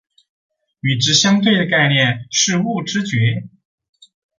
与之相对的概念是物知觉。